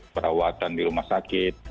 perawatan di rumah sakit